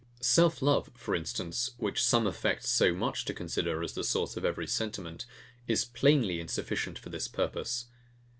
Self love, for instance, which some affect so much to consider as the source of every sentiment, is plainly insufficient for this purpose.